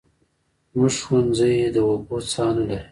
زموږ ښوونځی د اوبو څاه نلري